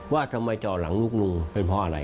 ว่าทำไมจอหลังลูกลุงเป็นเพราะอะไร